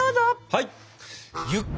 はい！